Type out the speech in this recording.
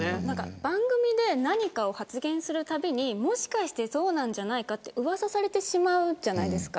番組で何かを発言するたびにもしかしてそうなんじゃないかとうわさされてしまうじゃないですか。